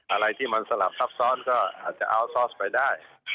อะไรที่มันสลับซับซ้อนก็อาจจะอัลซอสไปได้